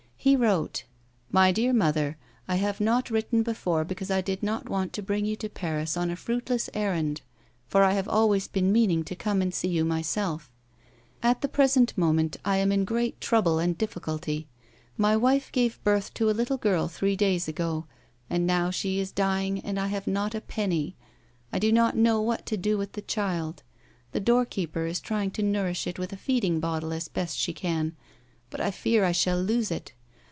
He wrote :" My Dear Mother, — I have not written before because I did not want to bring you to Paris on a fruitless errand, for I have always been meaning to come and see you myself. A WOMAN'S LIFE. 249 At the present moment I am in great trouble and difficulty. My wife gave birth to a little girl three days ago, and now she is dying and I have not a penny. I do not know what to do with the child ; the doorkeeper is trying to nourish it with a feeding bottle as best she can, but I fear I shall lose it.